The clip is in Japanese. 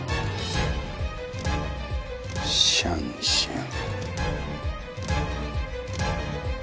シャンシャン。